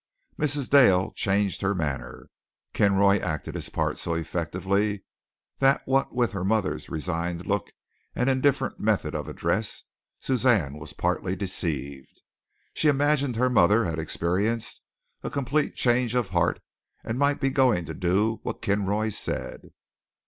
Mrs. Dale changed her manner. Kinroy acted his part so effectively that what with her mother's resigned look and indifferent method of address, Suzanne was partly deceived. She imagined her mother had experienced a complete change of heart and might be going to do what Kinroy said.